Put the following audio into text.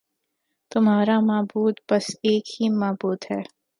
تمہارا معبود بس ایک ہی معبود ہے